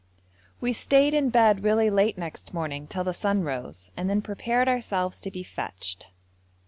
We stayed in bed really late next morning, till the sun rose, and then prepared ourselves to be fetched.